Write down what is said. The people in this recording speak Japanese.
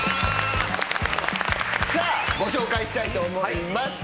さあご紹介したいと思います。